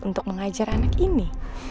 untuk mengajar anak ini